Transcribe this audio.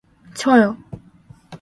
저요.